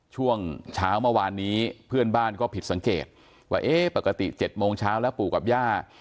ช่วงเช้าเมื่อวานนี้เพื่อนบ้านก็ผิดสังเกตว่าเอ๊ะปกติ๗โมงเช้าแล้วปู่กับย่า